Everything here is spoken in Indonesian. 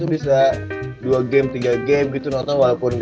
ada satu hari yang satu pertandingan doang